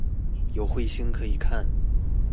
有慧星可以看